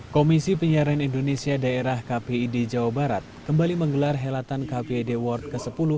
komisi penyiaran indonesia daerah kpid jawa barat kembali menggelar helatan kpid world ke sepuluh